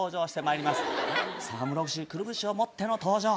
くるぶしを持っての登場。